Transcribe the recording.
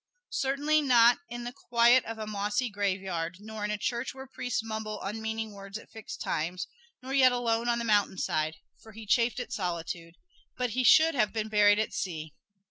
Certainly not in the quiet of a mossy graveyard, nor in a church where priests mumble unmeaning words at fixed times, nor yet alone on the mountain side for he chafed at solitude but he should have been buried at sea.